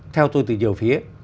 theo tôi từ nhiều phía